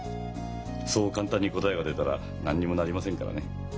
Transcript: そう簡単に答えが出たら何にもなりませんからね。